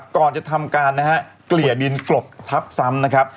ก่อนจะทำการเกลี่ยดินกรดทับซ้ำ